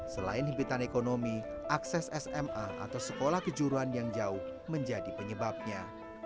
selain himpitan ekonomi akses sma atau sekolah kejuruan yang jauh menjadi penyebabnya